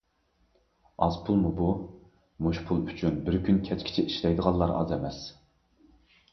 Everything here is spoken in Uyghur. ئاز پۇلمۇ بۇ؟ مۇشۇ پۇل ئۈچۈن بىر كۈن كەچكىچە ئىشلەيدىغانلار ئاز ئەمەس.